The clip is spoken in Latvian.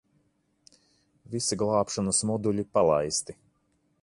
Visi glābšanas moduļi palaisti.